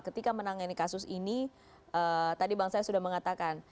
ketika menangani kasus ini tadi bang said sudah mengatakan